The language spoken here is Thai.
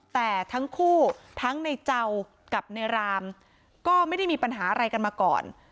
แต่ทั้งคู่ทั้งในเจ้ากับในรามก็ไม่ได้มีปัญหาอะไรกันมาก่อน